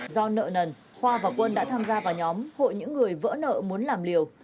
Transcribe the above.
do nợ nần khoa và quân đã tham gia vào nhóm hội những người vỡ nợ muốn làm liều